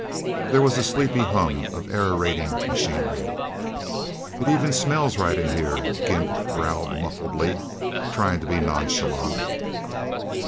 There was a sleepy hum of aerating machinery. "It even smells right, in here," Gimp growled muffledly, trying to be nonchalant.